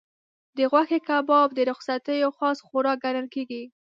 د غوښې کباب د رخصتیو خاص خوراک ګڼل کېږي.